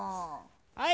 はい！